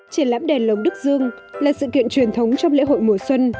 triển lãm đèn lồng đức dương là sự kiện truyền thống trong lễ hội mùa xuân